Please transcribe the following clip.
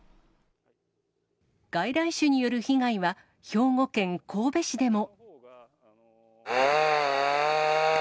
外来種による被害は、兵庫県神戸市でも。